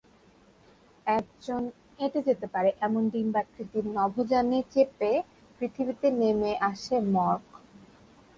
একজন এঁটে যেতে পারে এমন ডিম্বাকৃতির নভোযানে চেপে পৃথিবীতে নেমে আসে মর্ক।